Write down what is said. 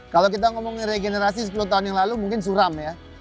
kalau kita ngomong regenerasi sepuluh tahun yang lalu mungkin suram ya